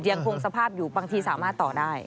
สภาพอยู่บางทีสามารถต่อได้